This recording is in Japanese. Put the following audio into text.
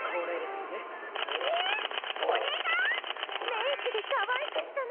メイクでかわいくしたの。